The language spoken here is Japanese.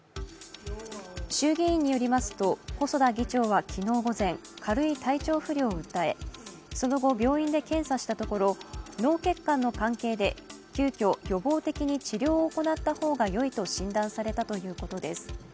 衆議院によりますと、細田議長は昨日午前、軽い体調不良を訴え、その後、病院で検査したところ脳血管の関係で急きょ、予防的に治療を行った方がよいと診断されたということです。